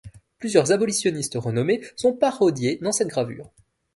Plusieurs abolitionnistes renommés sont parodiés dans cette gravure.